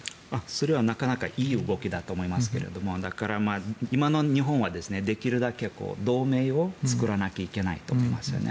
それはなかなかいい動きだと思いますが今の日本はできるだけ同盟を作らなきゃいけないと思いますよね。